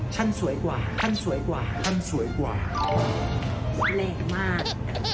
ฉันสวยกว่าฉันสวยกว่าฉันสวยกว่าแรงมาก